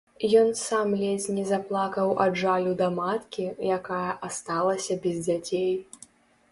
Ён сам ледзь не заплакаў ад жалю да маткі, якая асталася без дзяцей.